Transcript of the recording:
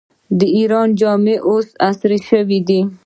د ایران جامې اوس عصري شوي.